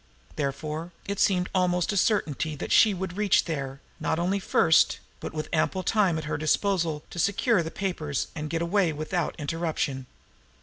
Therefore, it seemed almost a certainty that she would reach there, not only first, but with ample time at her disposal to secure the papers and get away again without interruption.